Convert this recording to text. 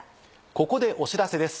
ここでお知らせです。